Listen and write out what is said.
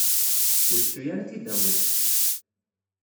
Ur tettu ara ad t-id-tawiḍ!